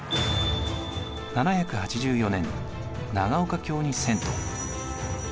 ７８４年長岡京に遷都。